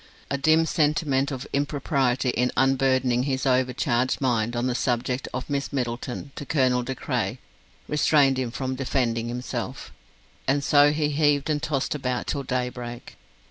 A dim sentiment of impropriety in unburdening his overcharged mind on the subject of Miss Middleton to Colonel De Craye restrained him from defending himself; and so he heaved and tossed about till daybreak.